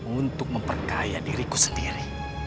untuk memperkaya diriku sendiri